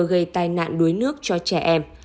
gây tai nạn đuối nước cho trẻ em